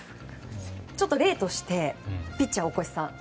ちょっと例としてピッチャー大越さん